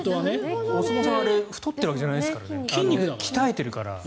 お相撲さん太っているわけじゃないですから筋肉だから。